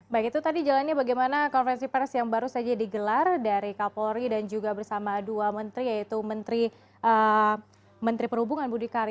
baik itu tadi jalannya bagaimana konferensi pers yang baru saja digelar dari kapolri dan juga bersama dua menteri yaitu menteri perhubungan budi karya